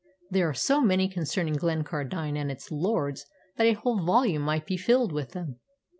There are so many concerning Glencardine and its lords that a whole volume might be filled with them."